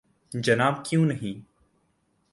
جناب کیوں نہیں